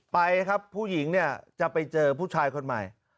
ไปครับผู้หญิงเนี่ยจะไปเจอผู้ชายคนใหม่